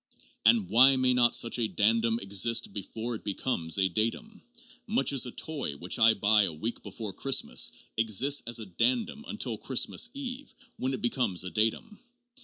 And why may not such a dandum exist before it becomes a datum, much as a toy which I buy a week before Christmas exists as a dandum till Christmas Eve, when it becomes a datum?